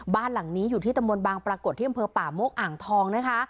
บ้านหลังนี้อยู่ที่ตำบลบางปรากฏที่อำเภอป่าโมกอ่างทองนะคะ